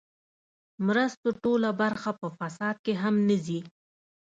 مرستو ټوله برخه په فساد کې هم نه ځي.